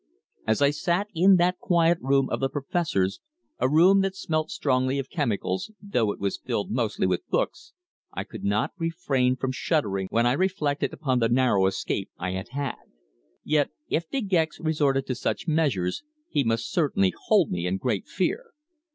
As I sat in that quiet room of the Professor's, a room that smelt strongly of chemicals, though it was filled mostly with books, I could not refrain from shuddering when I reflected upon the narrow escape I had had. Yet if De Gex resorted to such measures, he must certainly hold me in great fear.